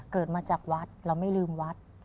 เกิดมาจากวัดเราไม่ลืมวัด